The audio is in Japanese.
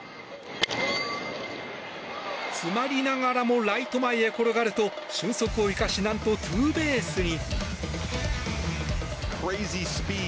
詰まりながらもライト前へ転がると俊足を生かし何とツーベースに。